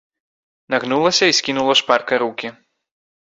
Нагнулася і скінула шпарка рукі.